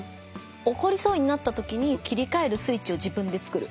怒りそうになったときに切り替えるスイッチを自分でつくるしかない。